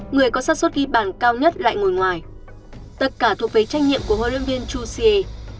người có sát xuất ghi bàn cao nhất lại ngồi ngoài tất cả thuộc về trách nhiệm của huấn luyện viên chu xie